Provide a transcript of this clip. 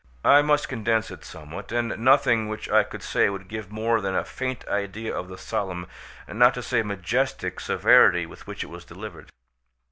I must condense it somewhat, and nothing which I could say would give more than a faint idea of the solemn, not to say majestic, severity with which it was delivered.